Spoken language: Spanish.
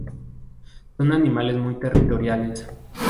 Son animales muy territoriales.